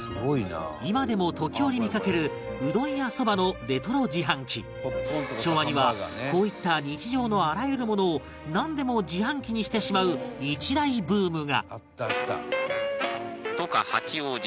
今でも時折見かけるうどんやそばのレトロ自販機昭和にはこういった日常のあらゆるものをなんでも自販機にしてしまう一大ブームが